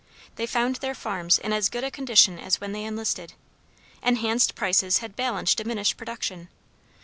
"They found their farms in as good a condition as when they enlisted. Enhanced prices had balanced diminished production.